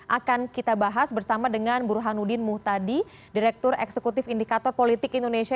akan kita bahas bersama dengan burhanuddin muhtadi direktur eksekutif indikator politik indonesia